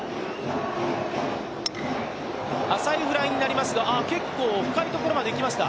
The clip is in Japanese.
浅いフライになりますが、結構深いところまで行きました。